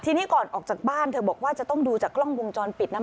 ทีนี้ก่อนออกจากบ้านเธอบอกว่าจะต้องดูจากกล้องวงจรปิดนะ